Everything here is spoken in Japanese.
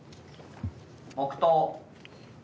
黙とう。